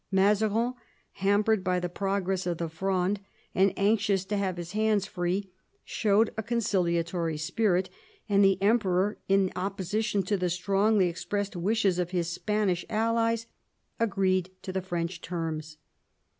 Mazarin, hampered by the progress of the Fronde, and anxious to have his hands free, showed a conciliatory spirit, and the Emperor, in opposition to the strongly expressed wishes of his Spanish allies, agreed to the French terms.